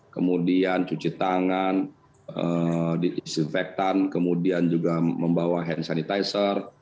kemudian cuci tangan disinfektan kemudian juga membawa hand sanitizer